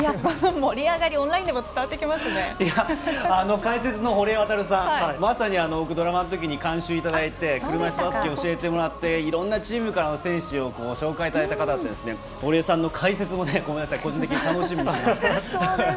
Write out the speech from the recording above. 解説の堀江航さんまさに僕、ドラマのときに監修いただいて車いすバスケを教えていただいていろんなチームから選手を紹介していただいて堀江さんの解説も個人的に楽しみにしています。